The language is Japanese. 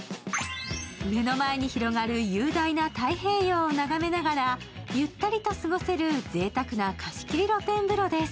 目の前に広がる雄大な太平洋を眺めながらゆったりと過ごせるぜいたくな貸切露天風呂です。